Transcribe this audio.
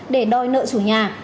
để đòi nợ chủ nhà